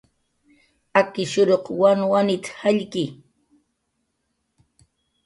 "Akishuruq wanwanit"" jallki"